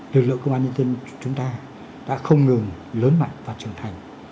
lực lượng công an nhân dân chúng ta đã không ngừng lớn mạnh và trưởng thành